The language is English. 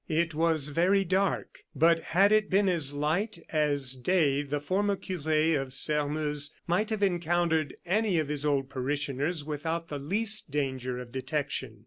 It was very dark, but had it been as light as day the former cure of Sairmeuse might have encountered any of his old parishioners without the least danger of detection.